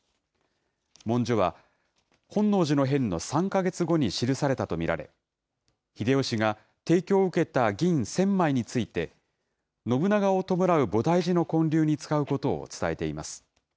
文書は、本能寺の変の３か月後に記されたと見られ、秀吉が提供を受けた銀１０００枚について、信長を弔う菩提寺の建立に使うことを伝えています。